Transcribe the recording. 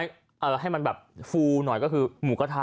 ให้มันแบบฟูหน่อยก็คือหมูกระทะ